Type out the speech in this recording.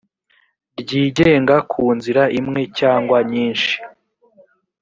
ryigenga ku nzira imwe cyangwa nyinshi